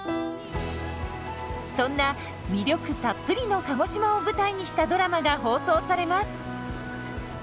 そんな魅力たっぷりの鹿児島を舞台にしたドラマが放送されます。